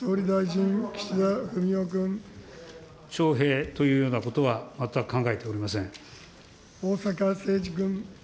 徴兵というようなことは全く逢坂誠二君。